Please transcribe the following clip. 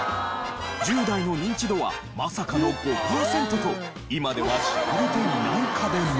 １０代のニンチドはまさかの５パーセントと今では知られていない家電に。